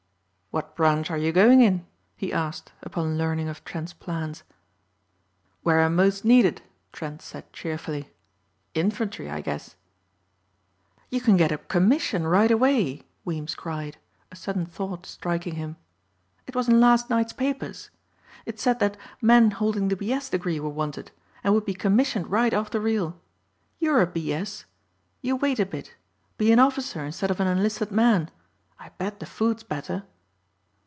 "What branch are you going in?" he asked upon learning of Trent's plans. "Where I'm most needed," Trent said cheerfully. "Infantry I guess." "You can get a commission right away," Weems cried, a sudden thought striking him. "It was in last night's papers. It said that men holding the B.S. degree were wanted and would be commissioned right off the reel. You're a B.S. You wait a bit. Be an officer instead of an enlisted man. I bet the food's better."